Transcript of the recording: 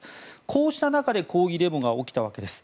こうした中で抗議デモが起きたわけです。